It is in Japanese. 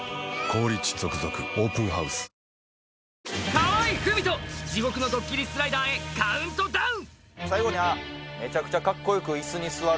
河合郁人、地獄のドッキリスライダーへ、カウントダウン！